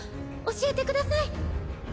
教えてください。